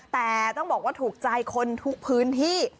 แต่ต้องบอกว่าถูกใจคนทุกพื้นที่